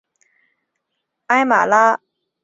埃马斯是巴西帕拉伊巴州的一个市镇。